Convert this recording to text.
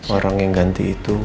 orang yang ganti itu